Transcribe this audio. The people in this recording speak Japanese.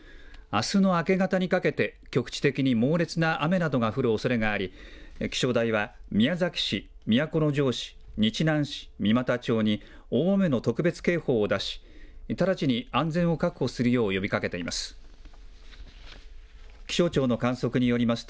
あすの明け方にかけて、局地的に猛烈な雨などが降るおそれがあり、気象台は宮崎市、都城市、日南市、三股町に大雨の特別警報を出し、直ちに安全を確保するよう呼びかけています。